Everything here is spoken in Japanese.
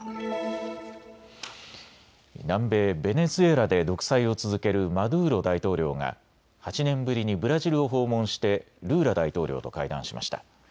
南米ベネズエラで独裁を続けるマドゥーロ大統領が８年ぶりにブラジルを訪問してルーラ大統領と会談しました。